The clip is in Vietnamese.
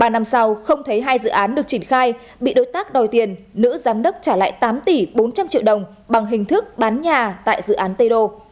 ba năm sau không thấy hai dự án được triển khai bị đối tác đòi tiền nữ giám đốc trả lại tám tỷ bốn trăm linh triệu đồng bằng hình thức bán nhà tại dự án tây đô